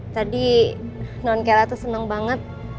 tadi non kelamin tuh seneng banget